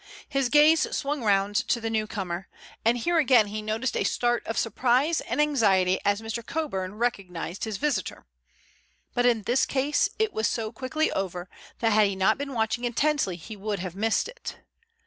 His gaze swung round to the new comer, and here again he noticed a start of surprise and anxiety as Mr. Coburn recognized his visitor. But in this case it was so quickly over that had he not been watching intently he would have missed it.